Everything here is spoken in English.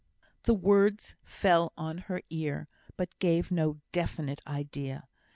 The words fell on her ear, but gave no definite idea.